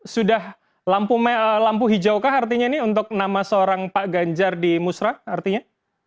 sudah lampu hijaukah artinya ini untuk nama seorang pak ganjar di musrah artinya